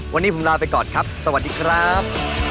วันนี้ผมลาไปก่อนครับสวัสดีครับ